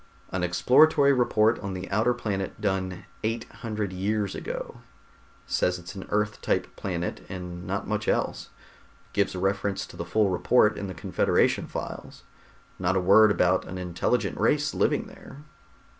"An exploratory report on the outer planet, done eight hundred years ago. Says it's an Earth type planet, and not much else. Gives reference to the full report in the Confederation files. Not a word about an intelligent race living there."